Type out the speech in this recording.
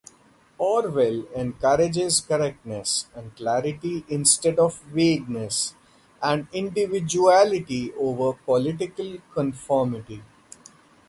Orwell encourages concreteness and clarity instead of vagueness, and individuality over political conformity.